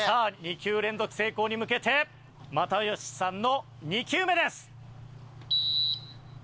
２球連続成功に向けて又吉さんの２球目です。